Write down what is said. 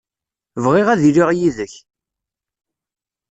Bɣiɣ ad iliɣ yid-k.